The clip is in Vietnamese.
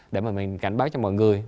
để mà mình cảnh báo cho mọi người